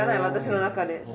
私の中で。